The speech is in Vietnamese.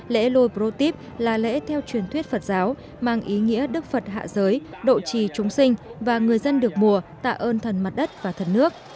lễ loui protep là lễ theo truyền thuyết phật giáo mang ý nghĩa đức phật hạ giới độ trì chúng sinh và người dân được mùa tạ ơn thần mặt đất và thần nước